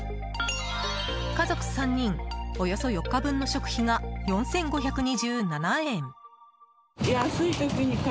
家族３人、およそ４日分の食費が４５２７円。